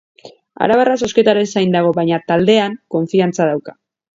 Arabarra zozketaren zain dago, baina taldean konfiantza dauka.